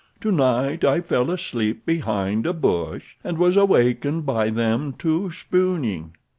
Tonight I fell asleep behind a bush, and was awakened by them two spooning.